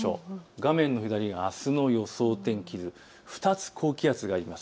画面の左、あすの予想天気図、２つ高気圧があります。